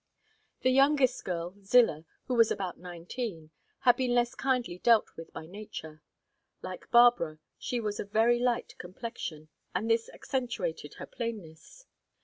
The youngest girl, Zillah, who was about nineteen, had been less kindly dealt with by nature; like Barbara, she was of very light complexion, and this accentuated her plainness.